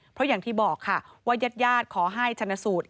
เพราะอย่างที่บอกค่ะว่ายาดขอให้ชนะสูตร